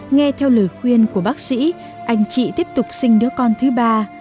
nghe theo lời khuyên của bác sĩ anh chị tiếp tục sinh đứa con thứ ba